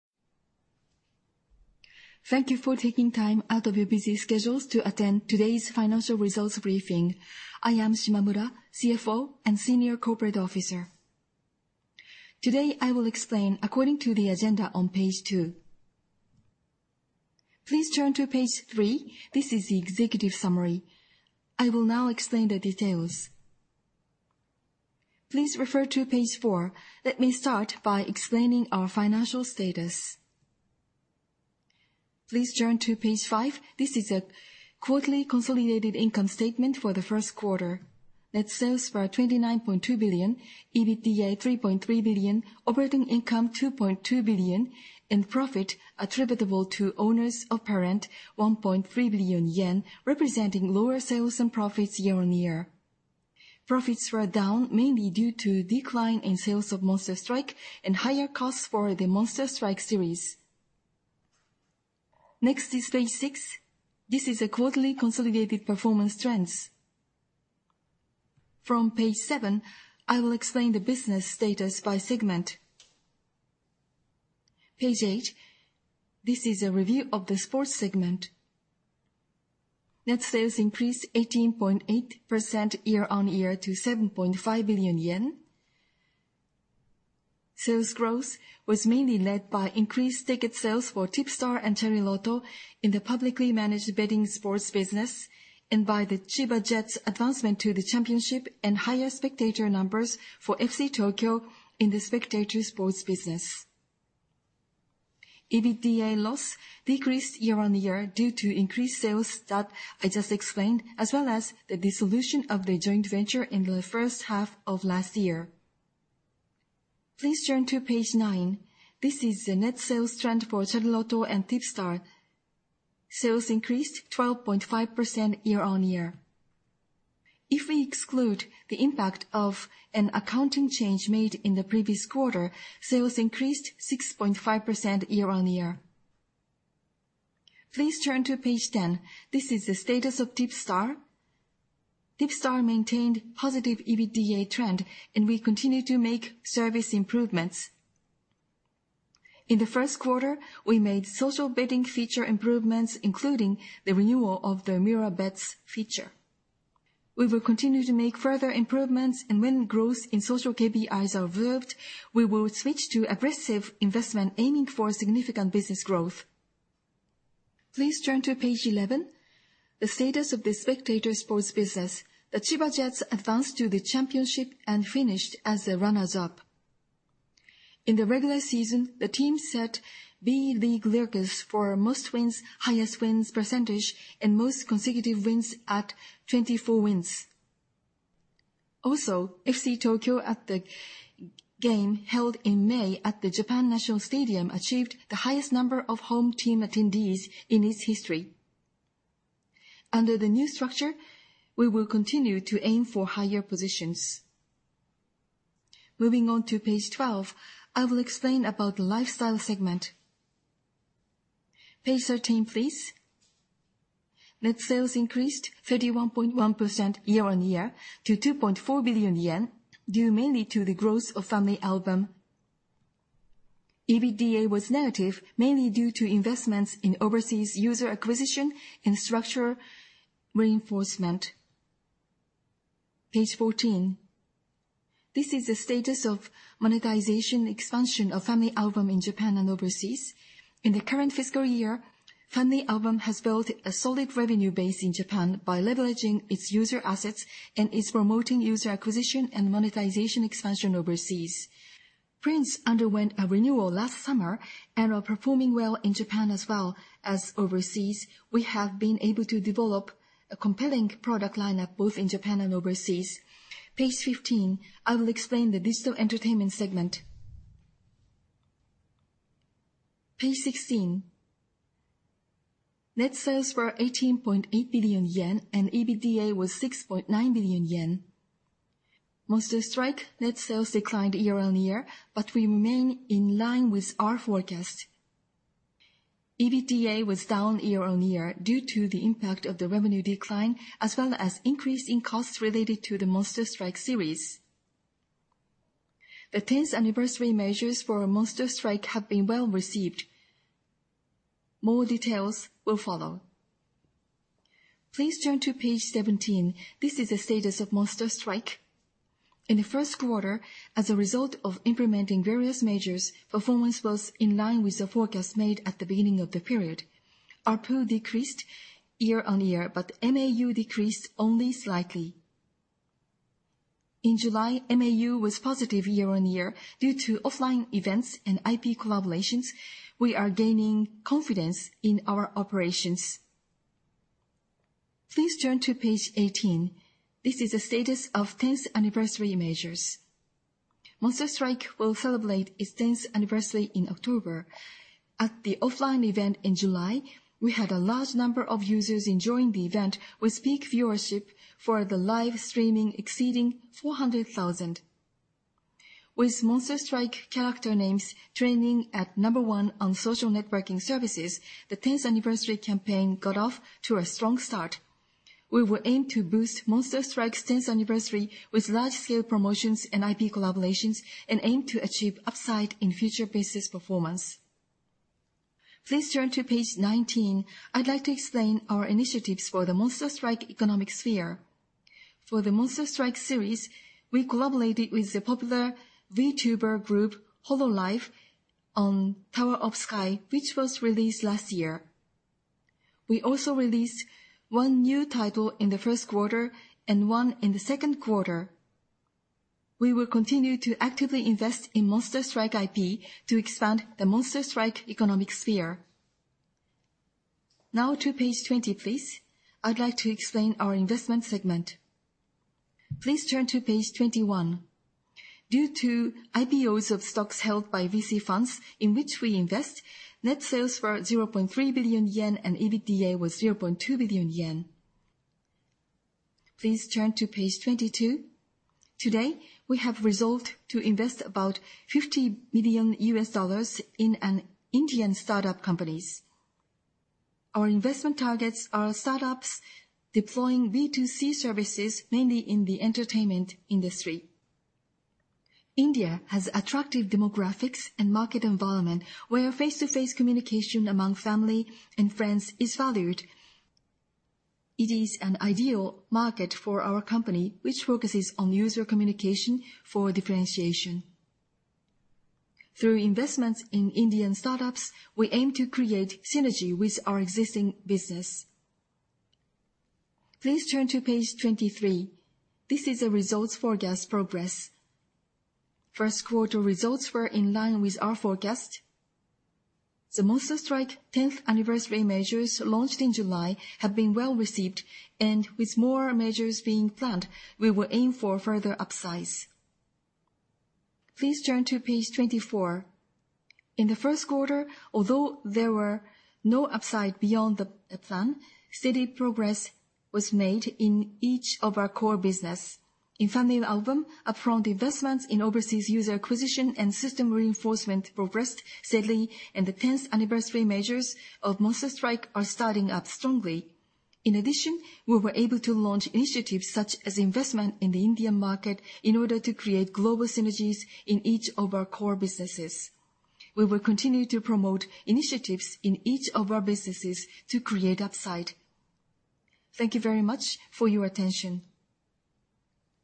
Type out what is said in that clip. Thank you for taking time out of your busy schedules to attend today's financial results briefing. I am Shimamura, CFO and Senior Corporate Officer. Today, I will explain according to the agenda on page two. Please turn to page three. This is the executive summary. I will now explain the details. Please refer to page four. Let me start by explaining our financial status. Please turn to page five. This is a quarterly consolidated income statement for the first quarter. Net sales were 29.2 billion, EBITDA 3.3 billion, operating income 2.2 billion, and profit attributable to owners of parent, 1.3 billion yen, representing lower sales and profits year-on-year. Profits were down mainly due to decline in sales of Monster Strike and higher costs for the Monster Strike series. Next is page six. This is a quarterly consolidated performance trends. From page seven, I will explain the business status by segment. Page eight, this is a review of the sports segment. Net sales increased 18.8% year-on-year to 7.5 billion yen. Sales growth was mainly led by increased ticket sales for TIPSTAR and Chariloto in the publicly managed betting sports business, and by the Chiba Jets' advancement to the championship and higher spectator numbers for FC Tokyo in the spectator sports business. EBITDA loss decreased year-on-year due to increased sales that I just explained, as well as the dissolution of the joint venture in the first half of last year. Please turn to page nine. This is the net sales trend for Chariloto and TIPSTAR. Sales increased 12.5% year-on-year. If we exclude the impact of an accounting change made in the previous quarter, sales increased 6.5% year-on-year. Please turn to page 10. This is the status of TIPSTAR. TIPSTAR maintained positive EBITDA trend, and we continue to make service improvements. In the first quarter, we made social betting feature improvements, including the renewal of the Mirror Bets feature. We will continue to make further improvements, and when growth in social KPIs are observed, we will switch to aggressive investment aiming for significant business growth. Please turn to page 11, the status of the spectator sports business. The Chiba Jets advanced to the championship and finished as the runners up. In the regular season, the team set B.LEAGUE records for most wins, highest wins percentage, and most consecutive wins at 24 wins. FC Tokyo, at the game held in May at the Japan National Stadium, achieved the highest number of home team attendees in its history. Under the new structure, we will continue to aim for higher positions. Moving on to page 12, I will explain about the lifestyle segment. Page 13, please. Net sales increased 31.1% year-on-year to 2.4 billion yen, due mainly to the growth of FamilyAlbum. EBITDA was negative, mainly due to investments in overseas user acquisition and structural reinforcement. Page 14. This is the status of monetization expansion of FamilyAlbum in Japan and overseas. In the current fiscal year, FamilyAlbum has built a solid revenue base in Japan by leveraging its user assets and is promoting user acquisition and monetization expansion overseas. Prints underwent a renewal last summer and are performing well in Japan as well as overseas. We have been able to develop a compelling product lineup both in Japan and overseas. Page 15, I will explain the digital entertainment segment. Page 16. Net sales were 18.8 billion yen, and EBITDA was 6.9 billion yen. Monster Strike net sales declined year-on-year, We remain in line with our forecast. EBITDA was down year-on-year due to the impact of the revenue decline, as well as increase in costs related to the Monster Strike series. The 10th anniversary measures for Monster Strike have been well received. More details will follow. Please turn to page 17. This is the status of Monster Strike. In the 1st quarter, as a result of implementing various measures, performance was in line with the forecast made at the beginning of the period. ARPU decreased year-on-year, MAU decreased only slightly. In July, MAU was positive year-on-year due to offline events and IP collaborations. We are gaining confidence in our operations. Please turn to page 18. This is the status of 10th anniversary measures. Monster Strike will celebrate its 10th anniversary in October. At the offline event in July, we had a large number of users enjoying the event, with peak viewership for the live streaming exceeding 400,000. With Monster Strike character names trending at number one on social networking services, the 10th anniversary campaign got off to a strong start. We will aim to boost Monster Strike's 10th anniversary with large-scale promotions and IP collaborations and aim to achieve upside in future business performance. Please turn to page 19. I'd like to explain our initiatives for the Monster Strike economic sphere. For the Monster Strike series, we collaborated with the popular VTuber group, Hololive, on Tower of Sky, which was released last year. We also released one new title in the first quarter, and one in the second quarter. We will continue to actively invest in Monster Strike IP to expand the Monster Strike economic sphere. Now to page 20, please. I'd like to explain our investment segment. Please turn to page 21. Due to IPOs of stocks held by VC funds in which we invest, net sales were 0.3 billion yen, and EBITDA was 0.2 billion yen. Please turn to page 22. Today, we have resolved to invest about $50 million in an Indian startup companies. Our investment targets are startups deploying B2C services, mainly in the entertainment industry. India has attractive demographics and market environment, where face-to-face communication among family and friends is valued. It is an ideal market for our company, which focuses on user communication for differentiation. Through investments in Indian startups, we aim to create synergy with our existing business. Please turn to page 23. This is the results forecast progress. First quarter results were in line with our forecast. The Monster Strike 10th anniversary measures launched in July have been well-received, and with more measures being planned, we will aim for further upsides. Please turn to page 24. In the 1st quarter, although there were no upside beyond the plan, steady progress was made in each of our core business. In FamilyAlbum, upfront investments in overseas user acquisition and system reinforcement progressed steadily, and the 10th anniversary measures of Monster Strike are starting up strongly. In addition, we were able to launch initiatives such as investment in the Indian market in order to create global synergies in each of our core businesses. We will continue to promote initiatives in each of our businesses to create upside. Thank you very much for your attention.